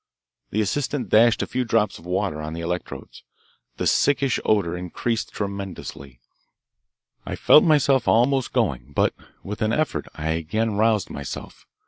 The assistant dashed a few drops of water on the electrodes. The sickish odour increased tremendously. I felt myself almost going, but with an effort I again roused myself.